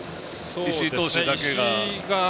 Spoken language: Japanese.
石井投手だけが。